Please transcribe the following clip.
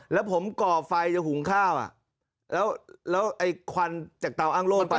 แล้วผมก่อไฟหยังหูงข้าวแล้วไอ่ควันจักรเตาอ้างโลกไป